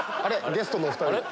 ゲストの２人。